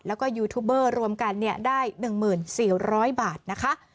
แล้วก็ยูทูบเบอร์รวมกันได้๑๔๐๐บาทนะคะ